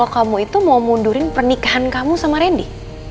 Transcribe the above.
kamu itu mau mundurin pernikahan kamu sama randy